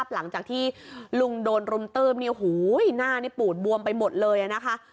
หลังจากที่ลุงโดนรุมตื้มหน้านี่ปูดบวมไปหมดเลยนะคะ